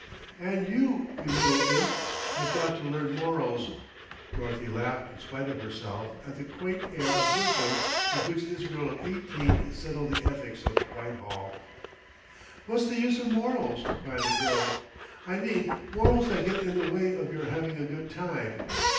"And you, you little imp, have got to learn morals." Dorothy laughed in spite of herself at the quaint air of wisdom with which this girl of eighteen settled the ethics of Whitehall. "What's the use of morals?" cried the girl. "I mean morals that get in the way of your having a good time.